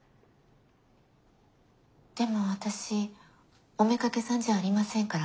でも私おめかけさんじゃありませんから買わせて頂くわ。